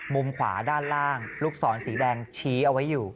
มุมขวาด้านล่างลูกศรสีแดงชี้เอาไว้อยู่